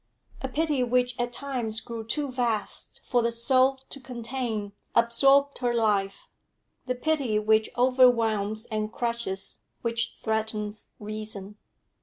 A pity which at times grew too vast for the soul to contain absorbed her life, the pity which overwhelms and crushes, which threatens reason.